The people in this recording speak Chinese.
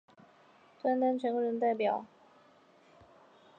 同年担任全国人大代表。